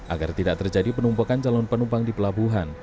agar tidak terjadi penumpukan calon penumpang di pelabuhan